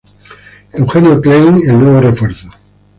Eugenio Klein, el nuevo refuerzo.